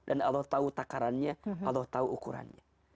dan allah tahu takarannya allah tahu ukurannya